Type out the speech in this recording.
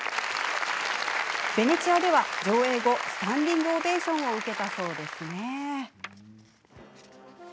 ベネチアでは上映後スタンディングオベーションを受けたそうですね。